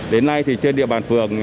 đến nay thì trên địa bàn phường